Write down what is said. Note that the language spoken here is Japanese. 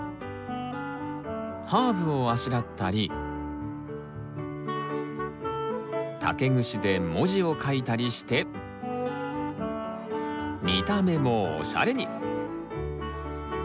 ハーブをあしらったり竹串で文字を書いたりして見た目もおしゃれに！